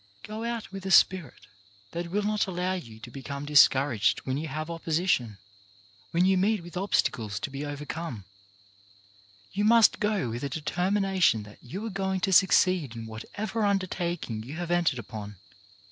Go out with a spirit that will not allow you to become discouraged when you have oppo sition, when you meet with obstacles to be over come. You must go with a determination that you are going to succeed in whatever undertaking you have entered upon.